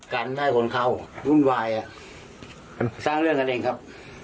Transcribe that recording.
กันได้คนเข้าวุ่นวายมันสร้างเรื่องกันเองครับ